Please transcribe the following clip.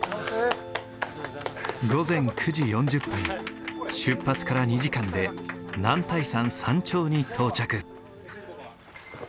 午前９時４０分出発から２時間で男体山山頂に到着。